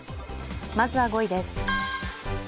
まずは５位です